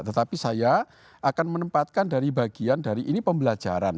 tetapi saya akan menempatkan dari bagian dari ini pembelajaran